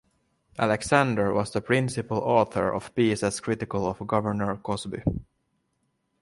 Alexander was the principal author of pieces critical of Governor Cosby.